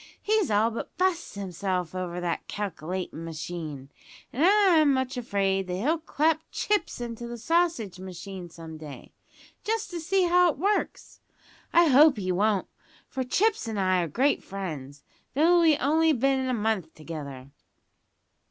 He's all but bu'st himself over that calc'latin' machine, and I'm much afraid that he'll clap Chips into the sausage machine some day, just to see how it works. I hope he won't, for Chips an' I are great friends, though we've only bin a month together."